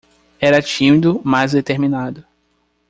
Era tímido, mas determinado